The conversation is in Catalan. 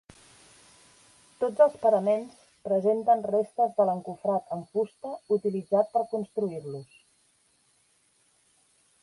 Tots els paraments presenten restes de l'encofrat amb fusta utilitzat per construir-los.